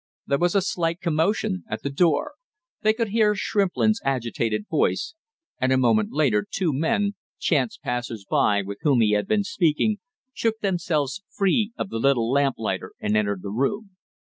There was a slight commotion at the door. They could hear Shrimplin's agitated voice, and a moment later two men, chance passers by with whom he had been speaking, shook themselves free of the little lamplighter and entered the room.